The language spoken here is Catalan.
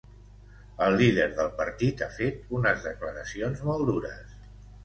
El líder del partit ha fet unes declaracions molt dures.